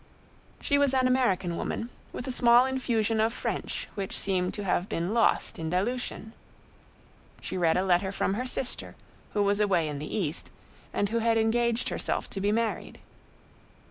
She was an American woman, with a small infusion of French which seemed to have been lost in dilution. She read a letter from her sister, who was away in the East, and who had engaged herself to be married.